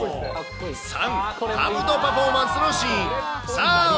３、かぶとパフォーマンスのシーン。